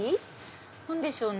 何でしょうね？